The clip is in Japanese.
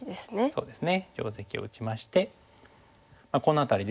そうですね。